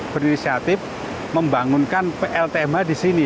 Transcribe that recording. berinisiatif membangunkan pltmh di sini